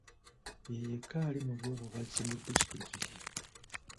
Ye yekka ali mu by'obubazzi mu disitulikiti.